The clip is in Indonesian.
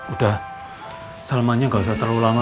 udah salmanya gak usah terlalu lama